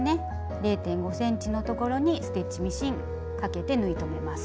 ０．５ｃｍのところにステッチミシンかけて縫い留めます。